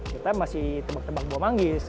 kita masih tebak tebak buah manggis